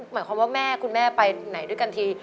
หมายความว่าแม่คุณแม่ไปไหนด้วยกันที